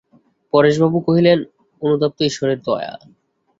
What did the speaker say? পরেশবাবু কহিলেন, অনুতাপ তো ঈশ্বরের দয়া।